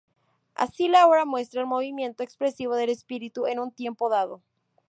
Así, la obra muestra el movimiento expresivo del espíritu en un tiempo dado.